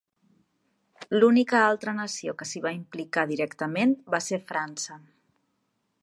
L'única altra nació que s'hi va implicar directament va ser França.